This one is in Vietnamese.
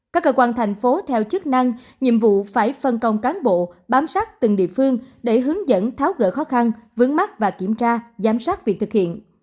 các cơ quan thành phố theo chức năng nhiệm vụ phải phân công cán bộ bám sát từng địa phương để hướng dẫn tháo gỡ khó khăn vướng mắt và kiểm tra giám sát việc thực hiện